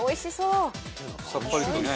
さっぱりとね。